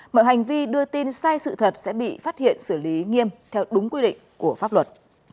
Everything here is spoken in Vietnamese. mọi hành vi đưa tin sai sự thật sẽ bị phát hiện xử lý nghiêm theo đúng quy định của pháp luật